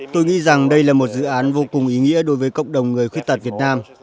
tôi nghĩ rằng đây là một dự án vô cùng ý nghĩa đối với cộng đồng người khuyết tật việt nam